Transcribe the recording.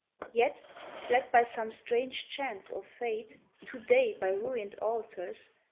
Yet, led by some strange chance or fate To day by ruined altars.